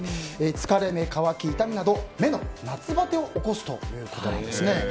疲れ目、乾き、痛みなど目の夏バテを起こすということなんです。